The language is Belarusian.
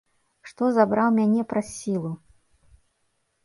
Што забраў мяне праз сілу?